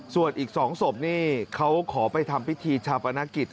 ส่วนอีก๒ศพนี่เขาขอไปทำพิธีชาปนกิจ